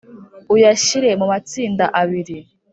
uyashyire mu matsinda abiri